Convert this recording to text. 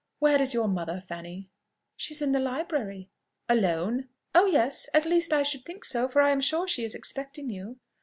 Where is your mother, Fanny?" "She is in the library." "Alone?" "Oh yes! at least I should think so, for I am sure she is expecting you."